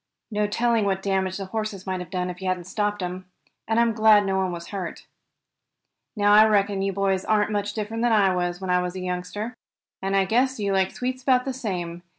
No telling what damage the horses might have done if you hadn't stopped 'em. And I'm glad no one was hurt. "Now I reckon you boys aren't much different than I was, when I was a youngster, and I guess you like sweets about the same.